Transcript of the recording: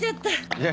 いや。